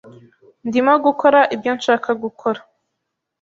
Ndimo gukora ibyo nshaka gukora.